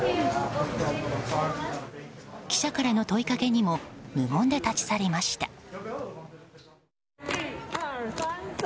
記者からの問いかけにも無言で立ち去りました。